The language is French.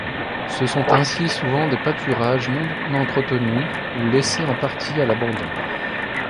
Ce sont ainsi souvent des pâturages non entretenus ou laissés en partie à l'abandon.